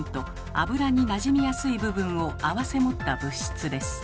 油になじみやすい部分をあわせ持った物質です。